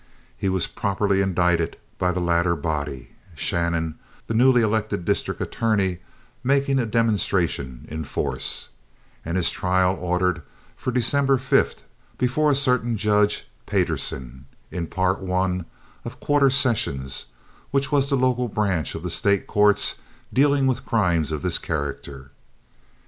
He was properly indicted by the latter body (Shannon, the newly elected district attorney, making a demonstration in force), and his trial ordered for December 5th before a certain Judge Payderson in Part I of Quarter Sessions, which was the local branch of the State courts dealing with crimes of this character.